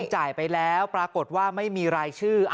จ่ายไปแล้วปรากฏว่าไม่มีรายชื่อ